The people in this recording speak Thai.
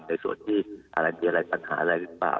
ในส่วนที่อะไรมีอะไรปัญหาอะไรหรือเปล่า